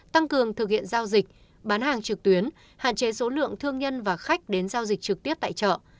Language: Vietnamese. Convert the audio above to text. tăng cường thực hiện giao dịch bán hàng trực tuyến hạn chế số lượng thương nhân và khách đến giao dịch trực tiếp tại chợ